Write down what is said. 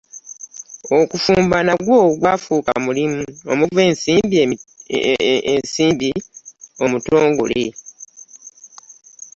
Okufumba nagwo gwafuuka mulimu omuva ensimbi omutongole.